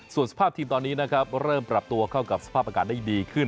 ส่วนสภาพทีมตอนนี้นะครับเริ่มปรับตัวเข้ากับสภาพอากาศได้ดีขึ้น